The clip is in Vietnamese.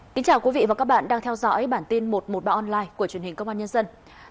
chào mừng quý vị đến với bản tin một trăm một mươi ba online của truyền hình công an nhân dân